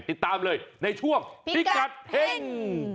ติดตามเลยในช่วงพิกัดเฮ่ง